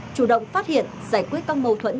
chủ động phát hiện giải quyết các mâu thuẫn